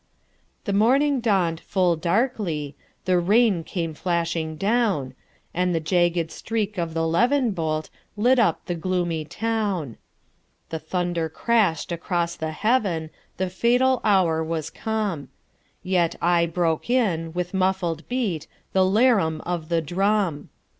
The morning dawn'd full darkly, The rain came flashing down, And the jagged streak of the levin boltLit up the gloomy town:The thunder crash'd across the heaven, The fatal hour was come; Yet aye broke in with muffled beatThe 'larum of the drum.